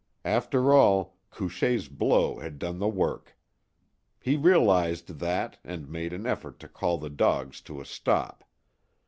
After all, Couchée's blow had done the work. He realized that, and made an effort to call the dogs to a stop.